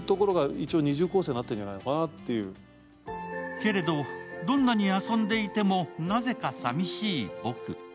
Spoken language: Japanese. けれど、どんなに遊んでいてもなぜかさみしい僕。